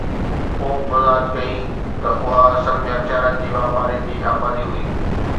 Pope وضاحت ڪئي ته اها اصل ۾ هٿيارن جي واپارين جي آبادي هئي.